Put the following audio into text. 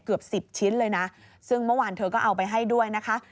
เกือบสิบชิ้นเลยนะซึ่งเมื่อวานเธอก็เอาไปให้ด้วยนะคะ